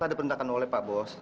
ada perintahkan oleh pak bu